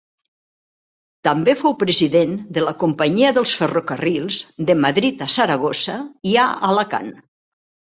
També fou president de la Companyia dels Ferrocarrils de Madrid a Saragossa i a Alacant.